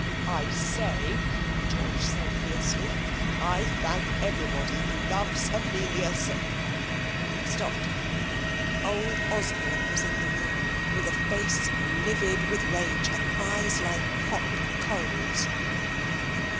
"I say," George said fiercely, "I thank everybody who loves Amelia Sed " He stopped. Old Osborne was in the room with a face livid with rage, and eyes like hot coals.